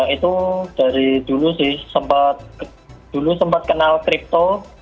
itu dari dulu sih dulu sempat kenal kripto